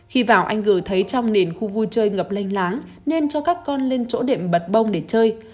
khi vào anh gừ thấy trong nền khu vui chơi ngập lênh láng nên cho các con lên chỗ đệm bật bông để chơi